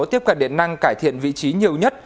tiếp cận điện năng cải thiện vị trí nhiều nhất